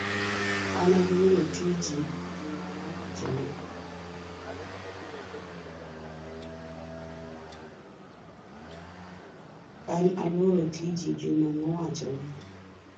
An aluoro tiji, Juma nowachone.